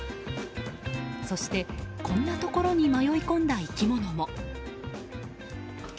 そしてこんなところに迷い込んだ生き物も。